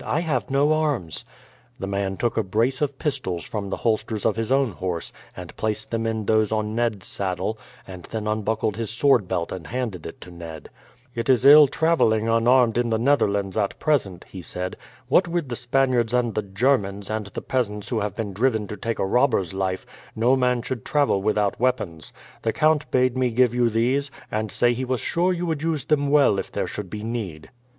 "I have no arms." The man took a brace of pistols from the holsters of his own horse and placed them in those on Ned's saddle, and then unbuckled his sword belt and handed it to Ned. "It is ill travelling unarmed in the Netherlands at present," he said. "What with the Spaniards and the Germans, and the peasants who have been driven to take to a robber's life, no man should travel without weapons. The count bade me give you these, and say he was sure you would use them well if there should be need."